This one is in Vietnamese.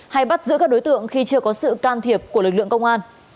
hay bắt giữ các đối tượng khi chưa có sự can thiệp của lực lượng công an